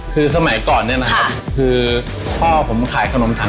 คือสมัยก่อนเนี้ยนะครับค่ะคือพ่อผมขาย